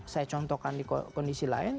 saya contohkan di kondisi lain